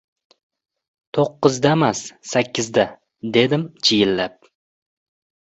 — To‘qqizdamas, sakkizda, — dedim chiyillab.